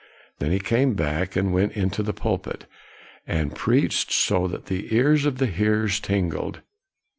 Then he came back, and went into the pulpit, and preached so that the ears of the hearers tingled.